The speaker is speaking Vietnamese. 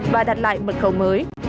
và đặt lại mật khẩu mới